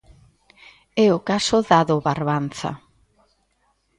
É o caso da do Barbanza.